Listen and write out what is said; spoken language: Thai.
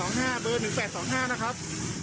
โอเค๑๘๒๕เบอร์๑๘๒๕นะครับ